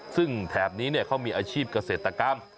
ซึ่งแถบนี้เขามีอาชีพเกษตรกรรม